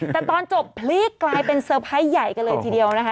แต่ตอนจบพลีกกลายเป็นเซอร์ไพรส์ใหญ่กันเลยทีเดียวนะคะ